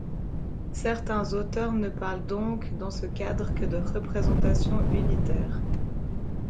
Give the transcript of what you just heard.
Certains auteurs ne parlent donc dans ce cadre que de représentations unitaires.